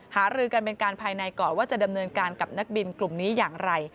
หารือกันเป็นการภายในก่อนว่าจะดำเนินการกับนักบินกลุ่มนี้อย่างไร